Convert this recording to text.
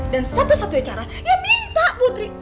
dan satu satunya cara ya minta putri